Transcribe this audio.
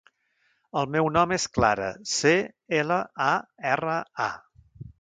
El meu nom és Clara: ce, ela, a, erra, a.